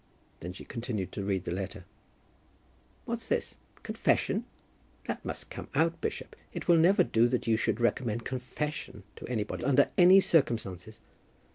Then she continued to read the letter. "What's this? Confession! That must come out, bishop. It will never do that you should recommend confession to anybody, under any circumstances."